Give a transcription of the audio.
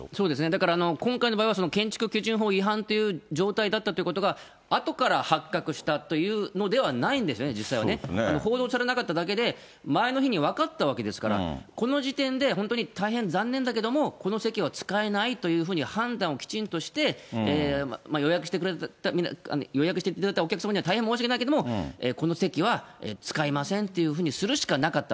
だから今回の場合は、建築基準法違反という状態だったということが、あとから発覚したというのではないんですよね、実際はね。報道されなかっただけで、前の日に分かったわけですから、この時点で本当に大変残念だけども、この席は使えないというふうに判断をきちんとして、予約していただいたお客様には大変申し訳ないけれども、この席は使えませんというふうにするしかなかった。